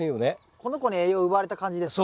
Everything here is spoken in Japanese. この子に栄養奪われた感じですか？